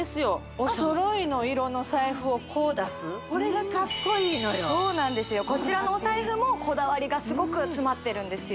お揃いの色の財布をこう出すこれがカッコイイのよそうなんですよこちらのお財布もこだわりがすごく詰まってるんですよ